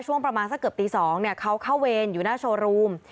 ช่วงประมาณสักเกือบตี๒เขาเข้าเวรอยู่หน้าโชว์รูม